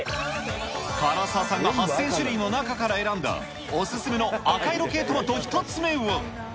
唐沢さんが８０００種類の中から選んだお勧めの赤色系トマト１つ目は。